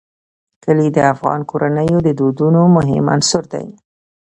کلي د افغان کورنیو د دودونو مهم عنصر دی.